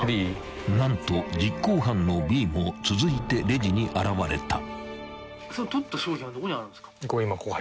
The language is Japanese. ［何と実行犯のＢも続いてレジに現れた］